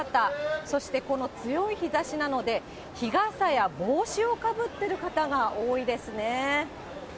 そして、この強い日ざしなので、日傘や帽子をかぶってる方が多いですね。